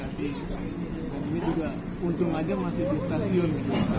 ini juga untung aja masih di stasiun